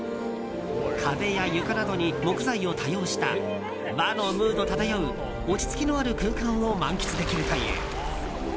壁や床などに木材を多用した、和のムード漂う落ち着きのある空間を満喫できるという。